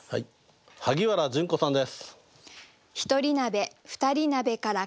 萩原純子さんです。